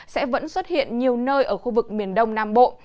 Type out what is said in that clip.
sẽ vẫn xuất hiện nhiều nơi ở khu vực miền đông nam bộ